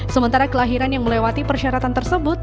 sementara kelahiran yang melewati persyaratan tersebut